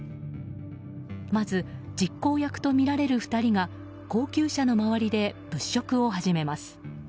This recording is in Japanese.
まずは実行役とみられる２人が高級車の周りで物色を始めます。